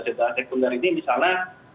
cedera sekunder ini misalnya